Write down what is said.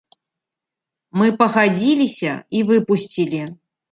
Мы пагадзіліся і выпусцілі.